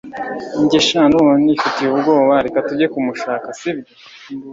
Njye sha ndumva nifitiyubwoba reka tujye kumushaka sibyo